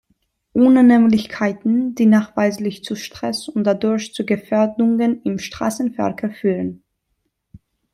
Unannehmlichkeiten, die nachweislich zu Stress und dadurch zu Gefährdungen im Straßenverkehr führen.